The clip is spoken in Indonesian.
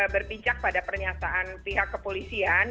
berpijak pada pernyataan pihak kepolisian